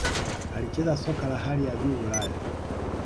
alicheza soka la hali ya Juu Ulaya